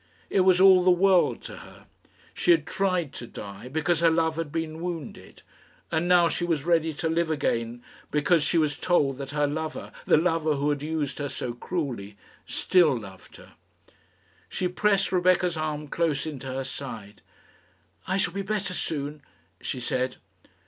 It was all the world to her. She had tried to die, because her love had been wounded; and now she was ready to live again because she was told that her lover the lover who had used her so cruelly still loved her. She pressed Rebecca's arm close into her side. "I shall be better soon," she said.